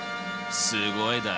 すごいだろ？